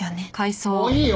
もういいよ！